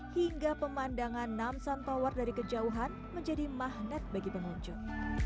hingga pemandangan namson tower dari kejauhan menjadi magnet bagi pengunjung